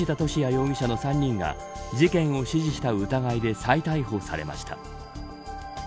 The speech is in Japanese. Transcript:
容疑者の３人が事件を指示した疑いで再逮捕されました。